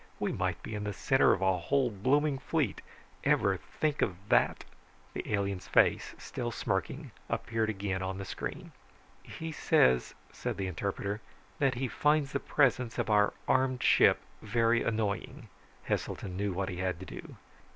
We might be in the center of a whole blooming fleet. Ever think of that?" The alien's face, still smirking, appeared again on the screen. "He says," said the interpreter, "that he finds the presence of our armed ship very annoying." Heselton knew what he had to do.